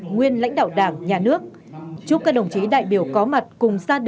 nguyên lãnh đạo đảng nhà nước